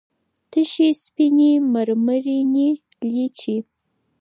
تشې سپينې مرمرينې لېچې